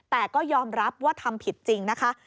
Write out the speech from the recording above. แต่ก็ยอมรับว่าทำผิดจริงนะคะ